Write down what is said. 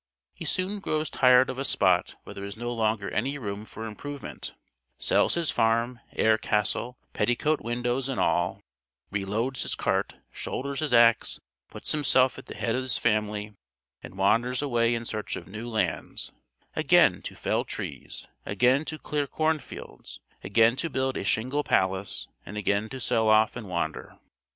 He soon grows tired of a spot where there is no longer any room for improvement sells his farm, air castle, petticoat windows and all, reloads his cart, shoulders his axe, puts himself at the head of his family, and wanders away in search of new lands again to fell trees again to clear corn fields again to build a shingle palace, and again to sell off and wander.